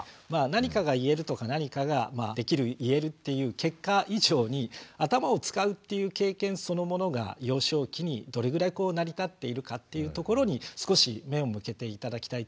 何かが言えるとか何かができる言えるっていう結果以上に頭を使うっていう経験そのものが幼少期にどれぐらい成り立っているかっていうところに少し目を向けて頂きたいと思うんですね。